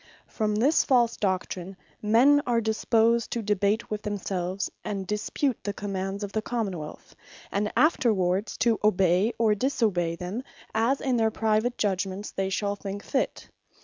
From this false doctrine, men are disposed to debate with themselves, and dispute the commands of the Common wealth; and afterwards to obey, or disobey them, as in their private judgements they shall think fit.